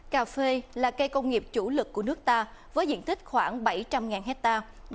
cà phê là cây công nghiệp chủ lực của nước ta với diện tích khoảng bảy trăm linh hectare